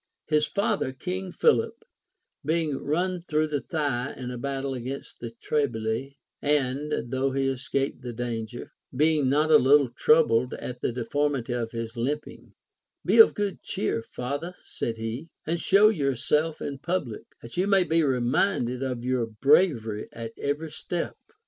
His father. King Philip, being run through the thigh in a battle against the Triballi, and, though he escaped the danger, being not a little troubled at the deformity of his limping; Be of good cheer, father, said he, and show yourself in public, that you may be reminded of your bravery at every step.